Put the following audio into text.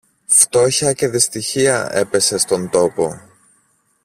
Φτώχεια και δυστυχία έπεσε στον τόπο